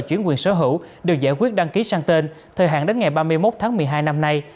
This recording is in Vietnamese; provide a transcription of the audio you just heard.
chuyển quyền sở hữu được giải quyết đăng ký sang tên thời hạn đến ngày ba mươi một tháng một mươi hai năm nay